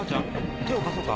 手を貸そうか？